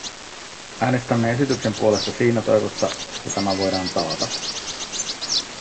Äänestämme esityksen puolesta siinä toivossa, että tämä voidaan taata.